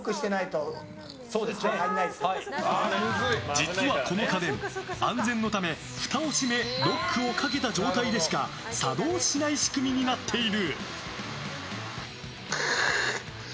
実はこの家電、安全のためふたを閉めロックをかけた状態でしか作動しない仕組みになっている。